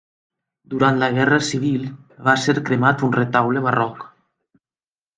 Durant la Guerra Civil va ser cremat un retaule barroc.